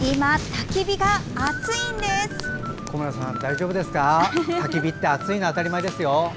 たき火って熱いの当たり前ですよ。